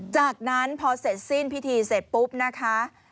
จากนั้นพอเสร็จสิ้นพิธีเสร็จปุ๊บนะคะ